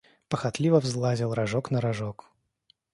Похотливо взлазил рожок на рожок.